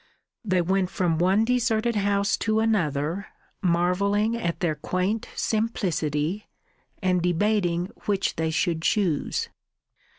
They went from one deserted house to another, marvelling at their quaint simplicity, and debating which they should choose.